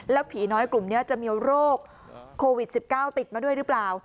ผีน้อยกลุ่มนี้จะมีโรคโควิด๑๙ติดมาด้วยหรือเปล่า